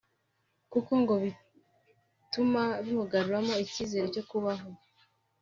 kuko ngo bituma bimugaruramo icyizere cyo kubaho